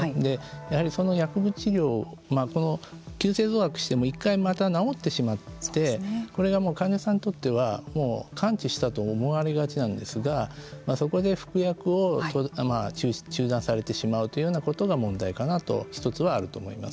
やはりその薬物治療急性増悪しても１回また治ってしまってこれが患者さんにとってはもう完治したと思われがちなんですがそこで服薬を中断されてしまうというようなことが問題かなと一つはあるかなと思います。